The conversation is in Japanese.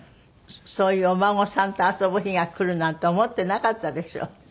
そういうお孫さんと遊ぶ日が来るなんて思ってなかったでしょ？